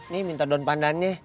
nih minta don pandannya